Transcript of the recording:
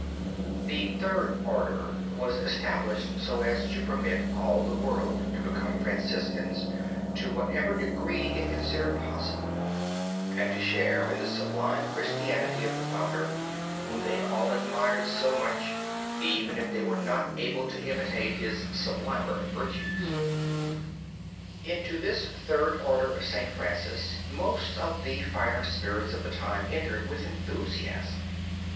The Third Order was established so as to permit all the world to become Franciscans to whatever degree it considered possible, and to share in the sublime Christianity of the founder whom they all admired so much, even if they were not able to imitate his sublimer virtues. Into this Third Order of St. Francis most of the finer spirits of the time entered with enthusiasm.